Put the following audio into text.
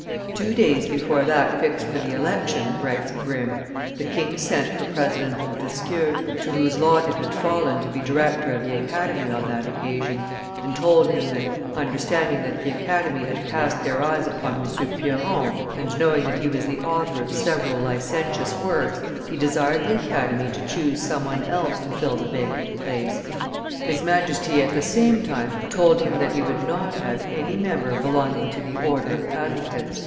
"Two days before that fixed for the election," writes Grimm, "the king sent for President Montesquieu, to whose lot it had fallen to be director of the Academy on that occasion, and told him that, understanding that the Academy had cast their eyes upon M. Piron, and knowing that he was the author of several licentious works, he desired the Academy to choose some one else to fill the vacant place. His Majesty at the same time told him that he would not have any member belonging to the order of advocates."